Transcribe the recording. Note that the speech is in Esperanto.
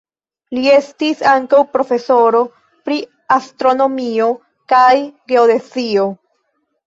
Li estis ankaŭ profesoro pri astronomio kaj geodezio.